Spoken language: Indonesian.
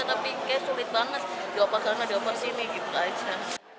tapi kayaknya sulit banget dioper sana dioper sini gitu aja